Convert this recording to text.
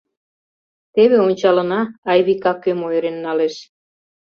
— Теве ончалына, Айвика кӧм ойырен налеш.